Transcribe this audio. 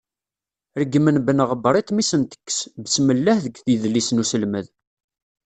Reggmen Ben Ɣebriṭ mi sen-tekkes "besmelleh" deg idlisen uselmed.